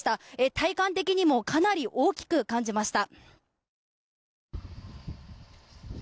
体感的にもかなり大きく感じました。